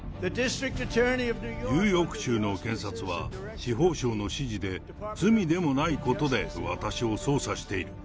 ニューヨーク州の検察は、司法省の指示で、罪でもないことで私を捜査している。